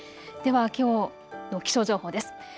ではきょうの気象情報です。